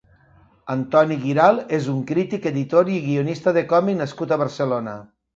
Antoni Guiral és un crític, editor i guionista de còmic nascut a Barcelona.